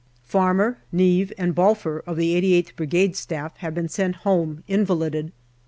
Farmer, Neave, and Balfour, of the 88th Brigade Staff, have been sent home invalided.